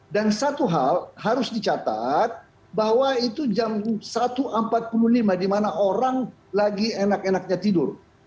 dan satu hal harus dicatat bahwa itu jam satu empat puluh lima di mana orang lagi enak enaknya tidur